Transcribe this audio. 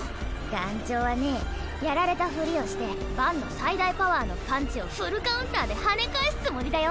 団長はねやられたふりをしてバンの最大パワーのパンチを「全反撃」ではね返すつもりだよ。